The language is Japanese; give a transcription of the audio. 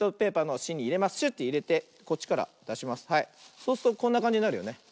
そうするとこんなかんじになるよね。